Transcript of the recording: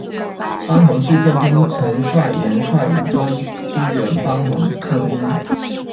班洪事件中曾率岩帅武装支援班洪抗英。